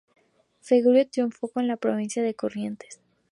Fragueiro triunfó en la provincia de Corrientes.